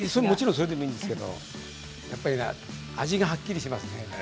もちろんいいんですけれどやっぱり味がはっきりします。